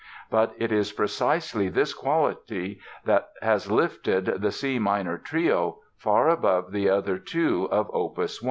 But it is precisely this quality that has lifted the C minor Trio far above the other two of opus 1.